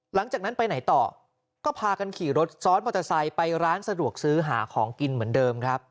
หลังจากนั้นไปไหนต่อก็พากันขี่รถซ้อนมอเตอร์ไซค์ไปร้านสะดวกซื้อหาของกินเหมือนเดิมครับ